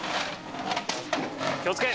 気をつけ。